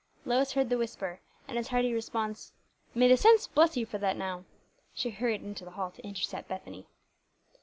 Lois heard the whisper, and his hearty response, "May the saints bless you for that now!" She hurried into the hall to intercept Bethany.